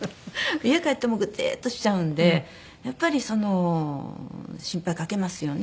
家帰ってもグテーッとしちゃうんでやっぱりその心配かけますよね